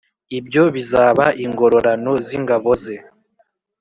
ibyo bizaba ingororano z ingabo ze